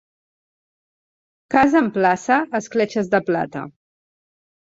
Casa en plaça, escletxes de plata.